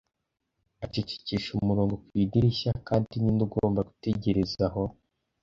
acecekesha umurongo ku idirishya, kandi ninde ugomba gutegereza aho